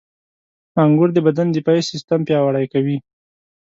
• انګور د بدن دفاعي سیستم پیاوړی کوي.